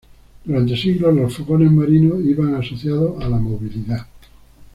Durante siglos, los fogones marinos iban asociados a la movilidad.